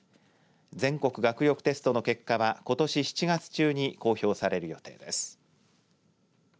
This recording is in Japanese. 全国学力テストの結果はことし７月中に公表される予定です。